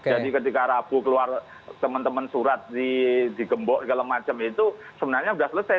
jadi ketika rabu keluar teman teman surat di gembok segala macam itu sebenarnya sudah selesai